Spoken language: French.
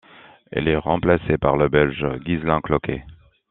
Il est remplacé par le belge Ghislain Cloquet.